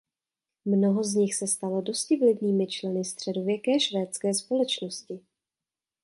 Mnoho z nich se stalo dosti vlivnými členy středověké švédské společnosti.